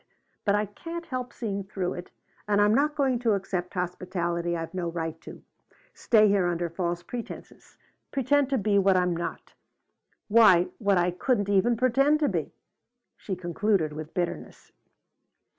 But I can't help seeing through it, and I'm not going to accept hospitality I've no right to stay here under false pretenses pretend to be what I'm not why what I couldn't even pretend to be!" she concluded with bitterness.